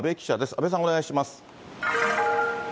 阿部さん、お願いします。